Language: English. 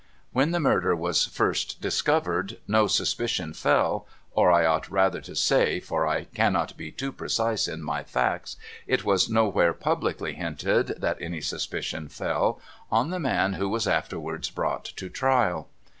When the murder was first discovered, no suspicion fell — or I ought rather to say, for I cannot be too precise in my facts, it was nowhere publicly hinted that any suspicion fell — on the man who was afterwards brought to trial.